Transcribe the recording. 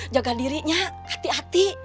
jaga dirinya hati hati